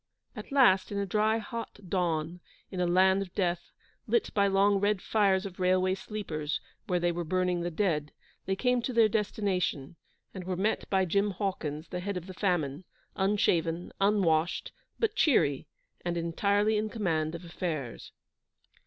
At last, in a dry, hot dawn, in a land of death, lit by long red fires of railway sleepers, where they were burning the dead, they came to their destination, and were met by Jim Hawkins, the Head of the Famine, unshaven, unwashed, but cheery, and entirely in command of affairs.